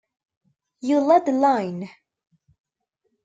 You led the line.